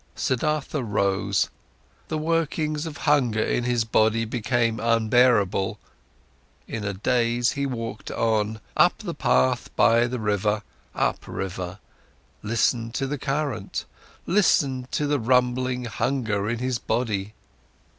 Siddhartha rose, the workings of hunger in his body became unbearable. In a daze he walked on, up the path by the bank, upriver, listened to the current, listened to the rumbling hunger in his body.